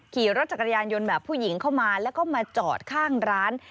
ขี่รถจักรยานยนต์แบบผู้หญิงเข้ามาแล้วก็มาจอดข้างร้าน